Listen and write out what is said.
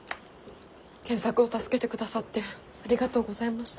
健作を助けてくださってありがとうございました。